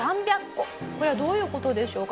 これはどういう事でしょうか？